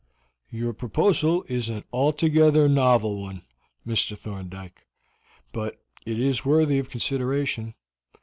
"Your proposal is an altogether novel one, Mr. Thorndyke, but it is worthy of consideration.